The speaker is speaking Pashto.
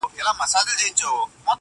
ته چي هري خواته ځې ځه پر هغه ځه!.